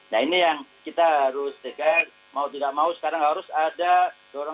maka yang akan terjadi adalah crossing penularan di faktor kesehatan ada kan